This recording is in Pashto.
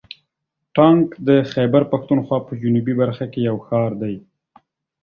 ټانک د خیبر پښتونخوا په جنوبي برخه کې یو ښار دی.